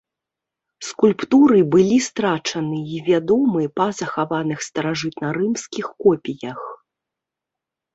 Скульптуры былі страчаны і вядомы па захаваных старажытнарымскіх копіях.